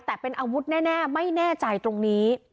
แต่เป็นอาวุธแน่ไม่แน่ใจตรงนี้